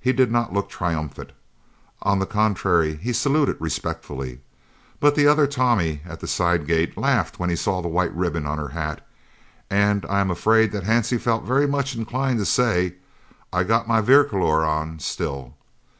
He did not look triumphant on the contrary he saluted respectfully; but the other Tommy at the side gate laughed when he saw the white ribbon on her hat, and I am afraid that Hansie felt very much inclined to say, "I've got my 'Vierkleur' on still!"